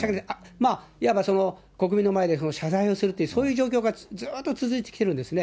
まあ、いわば国民の前で、謝罪をするっていう、そういう状況がずっと続いてきているんですね。